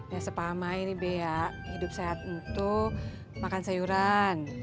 ya sepamai nih be ya hidup sehat untuk makan sayuran